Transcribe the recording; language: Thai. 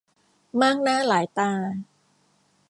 มากหน้าหลายตา